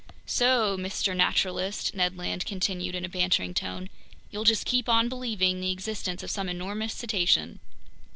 "So, Mr. Naturalist," Ned Land continued in a bantering tone, "you'll just keep on believing in the existence of some enormous cetacean